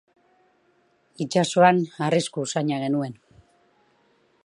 Itsasoan arrisku usaina genuen.